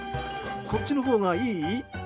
こっちのほうがいい？